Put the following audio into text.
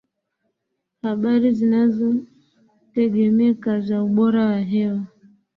habari zinazotegemeka za ubora wa hewa